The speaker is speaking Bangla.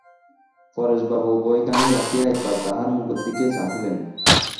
পরেশবাবু বইখানি রাখিয়া একবার তাহার মুখের দিকে চাহিলেন।